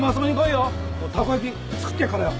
たこ焼き作ってやっからよ！